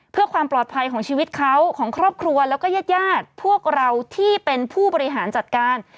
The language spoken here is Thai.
เพื่อความปลอดภัยของชีวิตเขาของครอบครัวแล้วก็ญาติญาติพวกเราที่เป็นผู้บริหารจัดการ